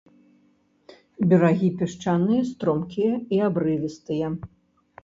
Берагі пясчаныя, стромкія і абрывістыя.